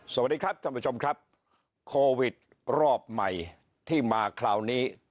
สวัสดีครับท่านผู้ชมครับโควิดรอบใหม่ที่มาคราวนี้